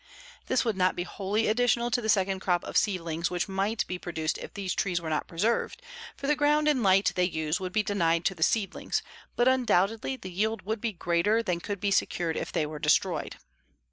This would not be wholly additional to the second crop of seedlings which might be produced if these trees were not preserved, for the ground and light they use would be denied to the seedlings, but undoubtedly the yield would be greater than could be secured if they were destroyed.